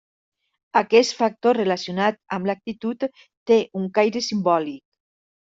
Aquest factor relacionat amb l'actitud té un caire simbòlic.